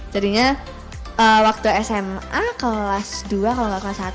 jadinya waktu sma kelas dua kalau gak kelas satu